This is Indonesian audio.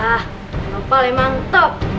ah kalau apa memang top